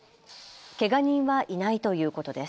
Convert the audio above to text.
けが人はいないということです。